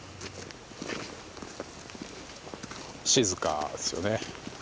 静かですよね。